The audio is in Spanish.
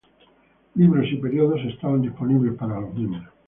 Libros y periódicos estaban disponibles para los miembros.